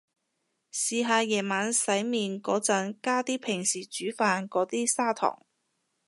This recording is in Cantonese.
試下夜晚洗面個陣加啲平時煮飯個啲砂糖